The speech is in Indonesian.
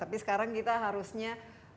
tapi sekarang kita harusnya